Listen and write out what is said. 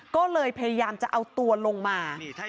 ก็เลยพยายามจะเอาตัวลงมา